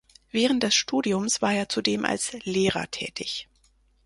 Während des Studiums war er zudem als Lehrer tätig.